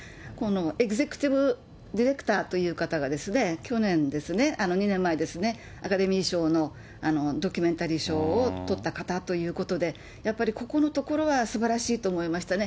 エグゼクティブディレクターという方がですね、去年ですね、２年前ですね、アカデミー賞のドキュメンタリー賞を取った方ということで、やっぱりここのところはすばらしいと思いましたね。